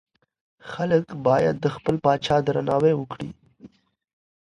خلګ بايد د خپل پاچا درناوی وکړي.